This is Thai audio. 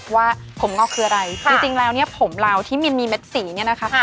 ว่าผมงอกคืออะไรจริงแล้วเนี่ยผมเราที่มินมีเม็ดสีเนี่ยนะคะ